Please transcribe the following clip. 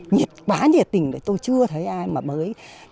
nhiệt quá nhiệt tình tôi chưa thấy ai mà mới